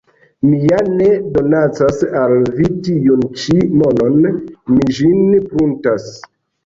Mi ja ne donacas al vi tiun ĉi monon, mi ĝin pruntas.